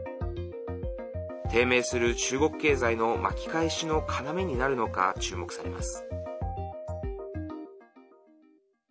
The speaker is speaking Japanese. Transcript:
低迷する中国経済の巻き返しの要になるのか、注目されます。